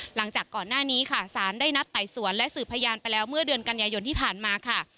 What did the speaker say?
หลังจากก่อนหน้านี้ค่ะสารได้นัดไต่สวนและสื่อพยานไปแล้วเมื่อเดือนกันยายนที่ผ่านมาค่ะ